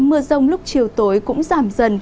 mưa rông lúc chiều tối cũng giảm dần